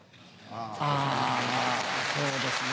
あそうですね